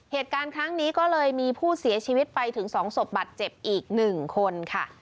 เหตุการณ์ครั้งนี้ก็เลยมีผู้เสียชีวิตไปถึง๒ศพบัตรเจ็บอีก๑คนค่ะ